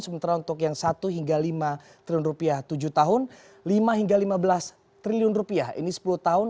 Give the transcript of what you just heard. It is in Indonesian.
sementara untuk yang satu hingga lima triliun rupiah tujuh tahun lima hingga lima belas triliun rupiah ini sepuluh tahun